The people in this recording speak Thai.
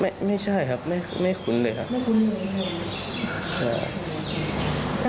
ไม่ใช่ครับไม่ไม่คุ้นเลยครับไม่คุ้นเลยครับ